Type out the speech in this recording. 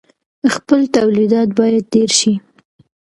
خپل تولیدات باید ډیر شي.